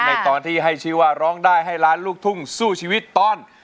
ในตอนที่ให้ชื่อว่าร้องได้ให้ล้านลูกทุ่งสู้ชีวิตตอน